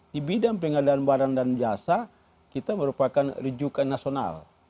di bidang pengadaan barang dan jasa kita merupakan rujukan nasional